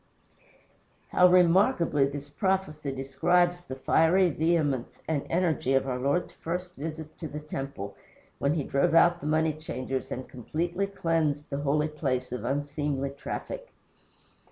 How remarkably this prophecy describes the fiery vehemence and energy of our Lord's first visit to the temple, when he drove out the money changers and completely cleansed the holy place of unseemly traffic!